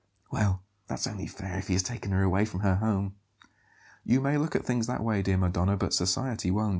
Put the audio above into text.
"Well, that's only fair if he has taken her away from her home." "You may look at things that way, dear Madonna, but society won't.